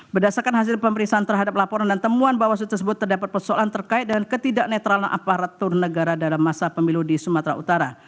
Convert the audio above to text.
berdasarkan hasil pemeriksaan terhadap laporan dan temuan bawaslu tersebut terdapat persoalan terkait dengan ketidak netralan aparatur negara dalam masa pemilu di sumatera utara